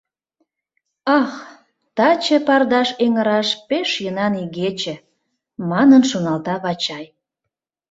«Ах, таче пардаш эҥыраш пеш йӧнан игече», — манын шоналта Вачай.